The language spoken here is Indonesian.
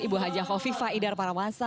ibu hj fofi faidar parawansa